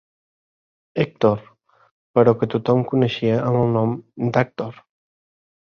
Hèctor, però que tothom coneixia amb el nom d'Àctor.